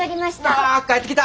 わ帰ってきた！